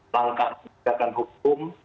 langkah penegakan hukum